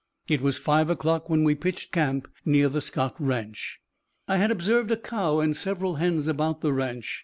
It was five o'clock when we pitched camp near the Scott Ranch. I had observed a cow and several hens about the ranch.